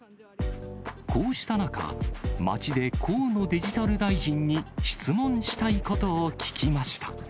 こうした中、街で河野デジタル大臣に質問したいことを聞きました。